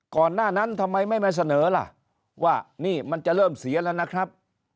ก่อนหน้านั้นทำไมไม่มาเสนอล่ะว่านี่มันจะเริ่มเสียแล้วนะครับ